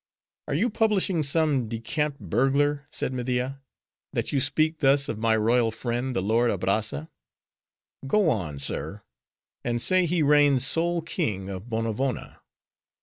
"Are you publishing some decamped burglar," said Media, "that you speak thus of my royal friend, the lord Abrazza? Go on, sir! and say he reigns sole king of Bonovona!"